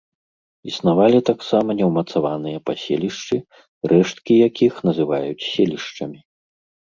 Існавалі таксама неўмацаваныя паселішчы, рэшткі якіх называюць селішчамі.